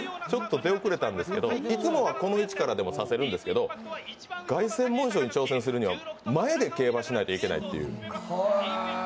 ちょっと出遅れたんですけどいつもはこの位置でも差せるんですけど凱旋門賞に挑戦するには前で競馬しなければいけないという。